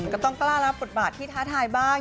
ก็ต้องกล้ารับบทบาทที่ท้าทายบ้าง